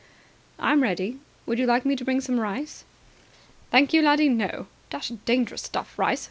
"I'm ready. Would you like me to bring some rice?" "Thank you, laddie, no. Dashed dangerous stuff, rice!